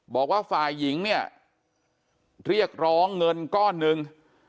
บอกว่าฝ่ายหญิงเนี่ยเรียกร้องเงินก้อนหนึ่ง